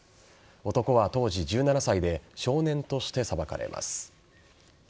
男は当時１７歳で少年として裁かれます。